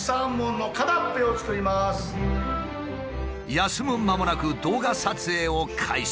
休む間もなく動画撮影を開始。